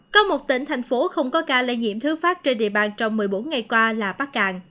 có một tỉnh thành phố không có ca lây nhiễm thứ phát trên địa bàn trong một mươi bốn ngày qua là bắc cạn